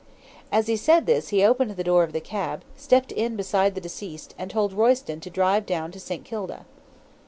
As he said this he opened the door of the cab, stepped in beside the deceased, and told Royston to drive down to St. Kilda.